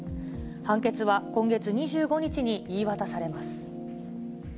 判決は今月２５日に言い渡されます。